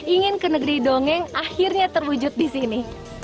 ingin ke negeri dongeng akhirnya terwujud di sini